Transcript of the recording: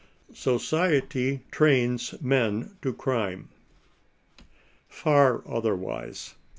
SOCIETY TRAINS MEN TO GRIME, Far otherwise.